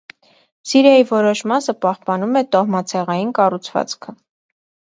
Սիրիայի որոշ մասը պահպանում է տոհմացեղային կառուցվածքը։